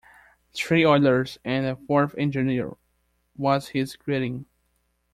Three oilers and a fourth engineer, was his greeting.